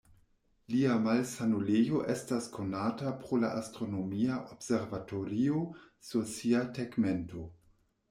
Lia malsanulejo estas konata pro la astronomia observatorio sur sia tegmento.